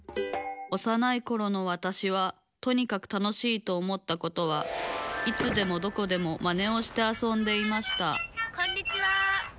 おさないころのわたしはとにかく楽しいと思ったことはいつでもどこでもマネをしてあそんでいましたこんにちは。